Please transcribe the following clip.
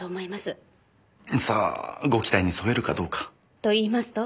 さあご期待に沿えるかどうか。といいますと？